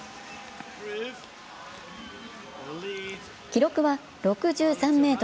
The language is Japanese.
記録は６３ｍ５６。